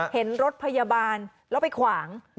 เห็นรถพยาบาลแล้วไปขวาง